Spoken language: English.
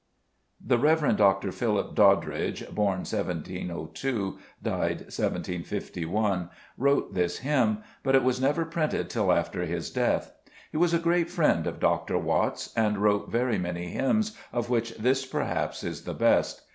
The Rev. Dr. Philip Doddridge (born 1702, died 1 751) wrote this hymn, but it was never printed till after his death. He was a great friend of Dr. Watts, and wrote very many hymns, of which this perhaps is the best.